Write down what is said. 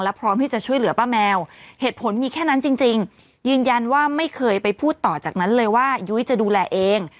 พร้อมที่จะช่วยเหลือป้าแมวเหตุผลมีแค่นั้นจริงยืนยันว่าไม่เคยไปพูดต่อจากนั้นเลยว่ายุ้ยจะดูแลเอง